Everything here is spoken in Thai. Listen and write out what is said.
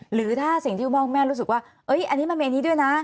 หรือถ้าสิ่งที่คุณพ่อคุณแม่รู้สึกว่าอันนี้มันมีอันนี้ด้วยนะ